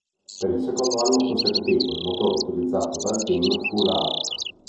Per il secondo anno consecutivo il motore utilizzato dal team fu l'Hart.